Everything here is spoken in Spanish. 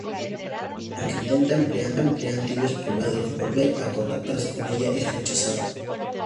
Aunque intenta, empleando detectives privados, volver a contactarse con ella, es rechazado.